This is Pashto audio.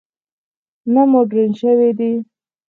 نه مډرن شوي دي.